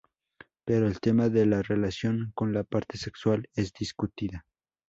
Pero el tema de la relación con la parte sexual es discutida.